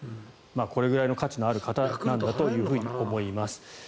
これくらいの価値のある方なんだと思います。